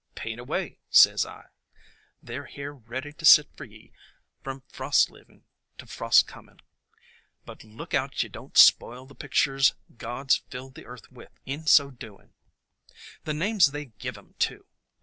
'Paint away,' sez I, 'they 're here ready to sit for ye from frost leaving to frost coming, but look out ye don't spoil the pictures God 's filled the earth with, in so doin'.' "The names they give 'em, too!